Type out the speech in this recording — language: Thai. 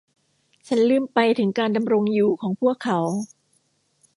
ฉันลืมไปถึงการดำรงอยู่ของพวกเขา